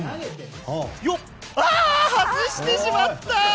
外してしまった。